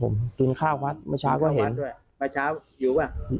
มีผู้หญิงมาบ่อย